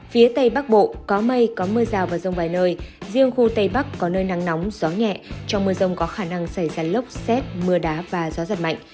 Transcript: phía tây bắc bộ có mây có mưa rào và rông vài nơi riêng khu tây bắc có nơi nắng nóng gió nhẹ trong mưa rông có khả năng xảy ra lốc xét mưa đá và gió giật mạnh